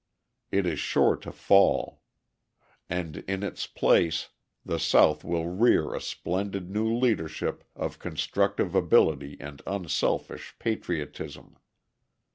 It is sure to fall; and in its place the South will rear a splendid new leadership of constructive ability and unselfish patriotism.